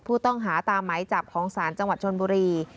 ผู้ต้องหาตามไหมจับของศาลจังหวัดชนบุรี